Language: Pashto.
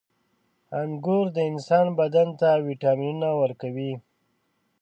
• انګور د انسان بدن ته ویټامینونه ورکوي.